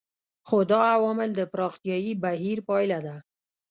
خو دا عوامل د پراختیايي بهیر پایله ده.